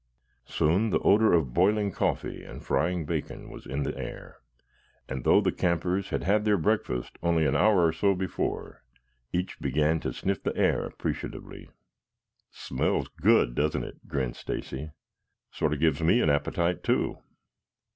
Soon the odor of boiling coffee and frying bacon was in the air, and though the campers had had their breakfast only an hour or so before, each began to sniff the air appreciatively. "Smells good, doesn't it?" grinned Stacy. "Sort of gives me an appetite, too."